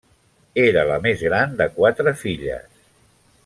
Era la més gran de quatre filles.